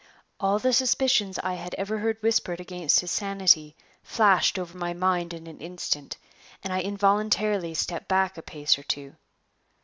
All the suspicions I had ever heard whispered against his sanity flashed over my mind in an instant, and I involuntarily stepped back a pace or two.